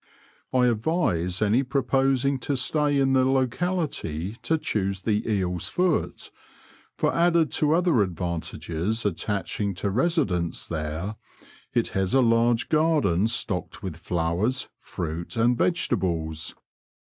I advise any proposing to stay in the locality to choose the Eel's Foot, for added to other advantages attachii^ to residence there, it has a lai^e garden stocked with flowers, fruit, and vegetables.